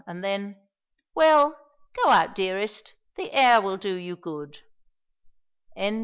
And then, "Well, go out, dearest. The air will do you good." CHAPTER L.